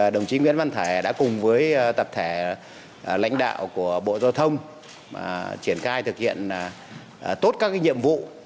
đồng chí nguyễn văn thể đã cùng với tập thể lãnh đạo của bộ giao thông triển khai thực hiện tốt các nhiệm vụ